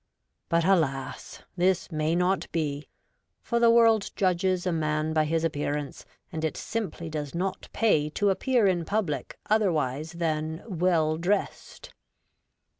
But, alas ! this may not be, for the world judges a man by his appearance, and it simply does not pay to appear in public otherwise than ' well dressed.'